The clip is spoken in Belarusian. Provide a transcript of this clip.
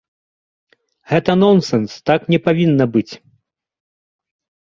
Гэта нонсэнс, так не павінна быць.